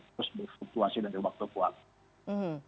terus berfluktuasi dari waktu ke waktu